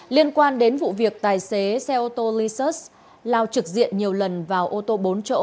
liên quan đến vụ việc tài xế xe ô tô lisa lao trực diện nhiều lần vào ô tô bốn chỗ